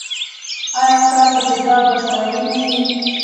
ایا ستاسو حجاب به شرعي نه وي؟